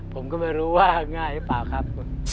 ผมก็ไม่รู้ว่าง่ายหรือเปล่าครับ